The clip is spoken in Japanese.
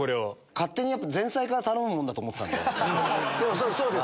勝手に前菜から頼むものだと思ってたんで。